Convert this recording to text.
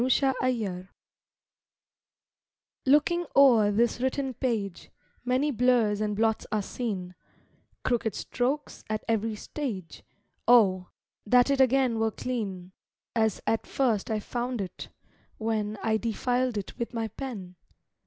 THE COPY Looking o'er this written page, Many blurs and blots are seen; Crooked strokes, at every stage Oh, that it again were clean, As at first I found it, when I defiled it with my pen!